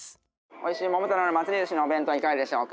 おいしい「桃太郎の祭ずし」のお弁当いかがでしょうか？